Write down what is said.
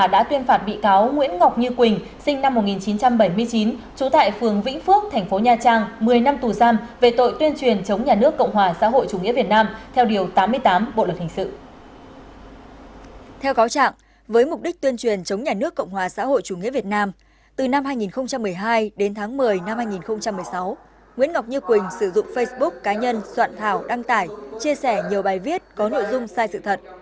đến tháng một mươi năm hai nghìn một mươi sáu nguyễn ngọc như quỳnh sử dụng facebook cá nhân soạn thảo đăng tải chia sẻ nhiều bài viết có nội dung sai sự thật